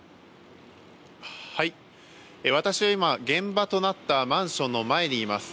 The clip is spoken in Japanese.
私は今、現場となったマンションの前にいます。